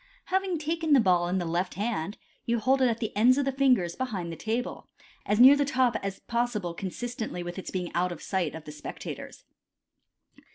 Having taken the ball in the left hand, you hold it at the ends of the fingers behind the table, as near the top as possible consistently with its being out of sight of the spectators.